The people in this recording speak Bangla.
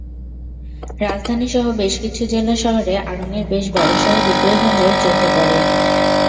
রাজধানীসহ বেশ কিছু জেলা শহরে আড়ংয়ের বেশ বড়সড় বিক্রয়কেন্দ্র চোখে পড়ে।